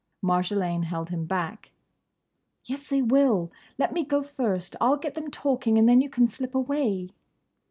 Marjolaine held him back. "Yes, they will. Let me go first. I'll get them talking, and then you can slip away."